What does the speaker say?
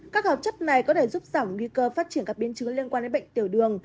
các hợp chất này có thể giúp giảm nguy cơ phát triển các biến chứng liên quan đến bệnh tiểu đường